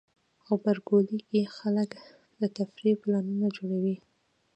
غبرګولی کې خلک د تفریح پلانونه جوړوي.